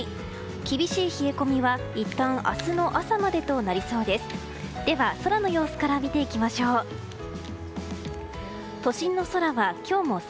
厳しい冷え込みは、いったん明日の朝までとなりそうです。